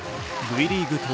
Ｖリーグ